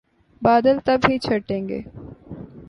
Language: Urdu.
بادل تب ہی چھٹیں گے۔